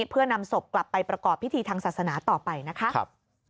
เพื่อนำศพกลับไปประกอบพิธีทางศาสนาต่อไปนะคะ